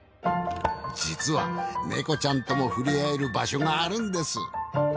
実はネコちゃんとも触れ合える場所があるんです。